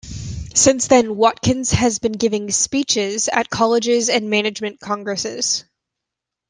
Since then, Watkins has been giving speeches at colleges and management congresses.